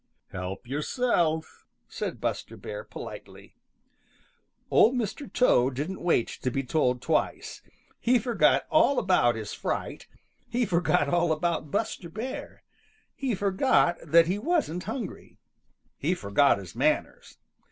"Help yourself," said Buster Bear politely. Old Mr. Toad didn't wait to be told twice. He forgot all about his fright. He forgot all about Buster Bear. He forgot that he wasn't hungry. He forgot his manners.